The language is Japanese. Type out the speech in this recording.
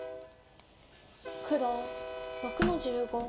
黒６の十五。